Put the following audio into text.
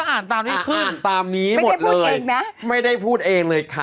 อ่านตามนี้หมดเลยไม่ได้พูดเองเลยค่ะ